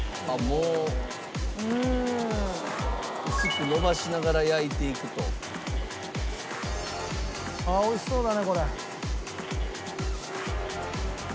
うーん。薄く延ばしながら焼いていくと。ああおいしそうだねこれ。